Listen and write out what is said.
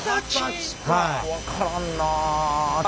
分からんなあ。